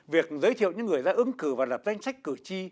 việc giới thiệu những người ra ứng cử và lập danh sách cử tri